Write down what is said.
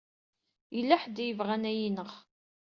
Yella ḥedd i yebɣan ad yi-ineɣ.